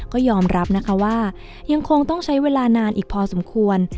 ก็ยอมรับนะคะว่ายังคงต้องใช้เวลานานอีกพอสมควร